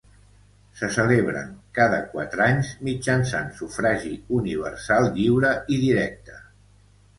Se celebren cada quatre anys mitjançant sufragi universal lliure i directe.